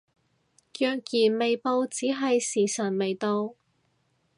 若然未報只係時辰未到